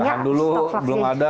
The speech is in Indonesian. kan dulu belum ada